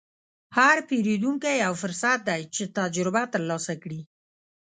هر پیرودونکی یو فرصت دی چې تجربه ترلاسه کړې.